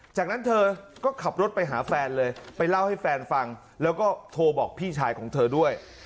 จากนั้นเธอก็ขับรถไปหาแฟนเลยไปเล่าให้แฟนฟังแล้วก็โทรบอกพี่ชายของเธอด้วย